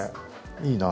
いいなぁ。